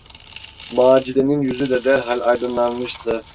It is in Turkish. Macide’nin yüzü de derhal aydınlanmıştı.